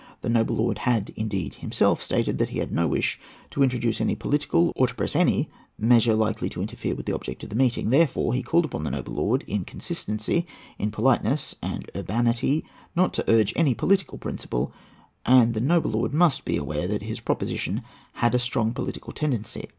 The noble lord had, indeed, himself stated that he had no wish to introduce any political, or to press any, measure likely to interfere with the object of the meeting. Therefore, he called upon the noble lord, in consistency, in politeness and urbanity, not to urge any political principle; and the noble lord must be aware that his proposition had a strong political tendency.